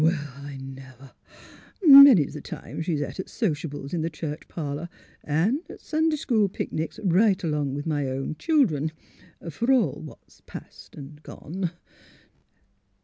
— Well, I never! Many 's the time she's 'et at sociables in the church parlour an' at Sunday school picnics right along mth my own children — for all what 's past and gone."